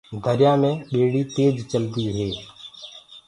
دريآ مينٚ ٻيڙي تيج چلدو هي۔